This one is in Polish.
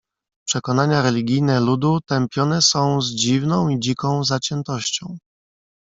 "Przekonania religijne ludu tępione są z dziwną i dziką zaciętością."